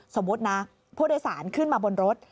สมมุตินะผู้โดยสารขึ้นมาบนรถ